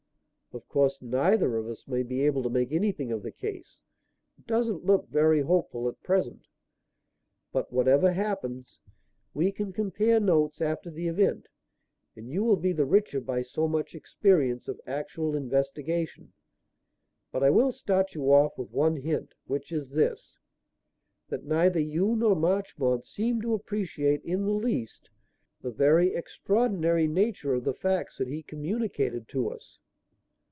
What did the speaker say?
Of course neither of us may be able to make anything of the case it doesn't look very hopeful at present but whatever happens, we can compare notes after the event and you will be the richer by so much experience of actual investigation. But I will start you off with one hint, which is this: that neither you nor Marchmont seem to appreciate in the least the very extraordinary nature of the facts that he communicated to us."